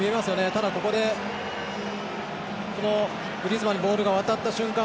ただ、ここでグリーズマンにボールが渡った瞬間